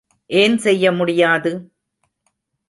ஏன் செய்ய முடியாது?